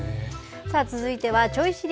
さあ、続いてはちょい知り！